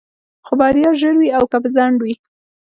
خو بريا ژر وي او که په ځنډ وي.